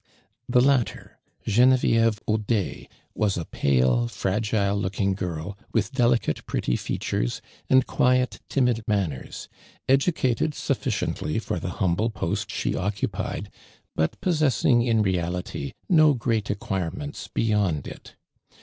The latter, Genevieve Audet, was a pale, fragile looking girl, with delicate pretty features, and quiet timid manners ; educated sufficiently for the humble postshe occupied, but possessing, in reality, no great acquirements beyond it.